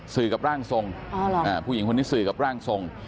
กับร่างทรงผู้หญิงคนนี้สื่อกับร่างทรง